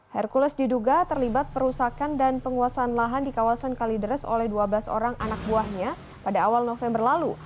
hercules diduga terlibat perusakan dan penguasaan lahan di kawasan kalideres oleh dua belas orang anak buahnya pada awal november lalu